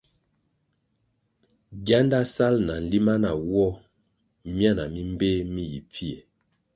Gianda sal na nlima nawoh miana mi mbpéh mi yi pfie.